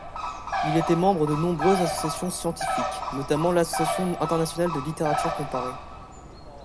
Il était membre de nombreuses associations scientifiques, notamment l'Association internationale de littérature comparée.